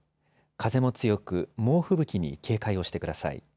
風も強く猛吹雪に警戒をしてください。